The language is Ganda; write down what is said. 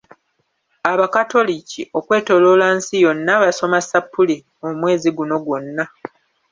Abakatoliki okwetooloola nsi yonna basoma ssappule omwezi guno gwonna.